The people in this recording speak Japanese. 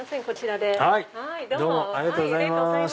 こちらです。